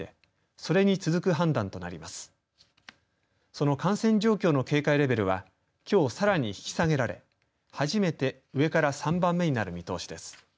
その感染状況の警戒レベルはきょう、さらに引き下げられ初めて上から３番目になる見通しです。